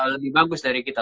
lebih bagus dari kita